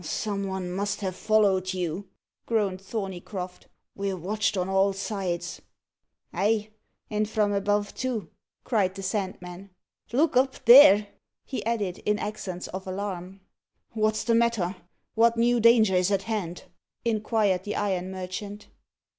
"Some one must have followed you," groaned Thorneycroft. "We're watched on all sides." "Ay, and from above, too," cried the Sandman. "Look up there!" he added, in accents of alarm. "What's the matter? What new danger is at hand?" inquired the iron merchant.